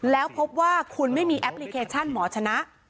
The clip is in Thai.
แล้วพบว่าคุณไม่มีแอปพลิเคชันหมอชนะ